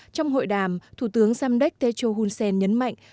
trong hội đàm thủ tướng samdek techo hun sen nhấn mạnh